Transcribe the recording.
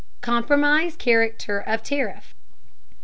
COMPROMISE CHARACTER OF TARIFF.